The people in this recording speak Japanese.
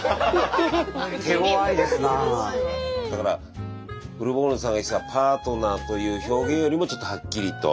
だからブルボンヌさんが言ってたパートナーという表現よりもちょっとはっきりと。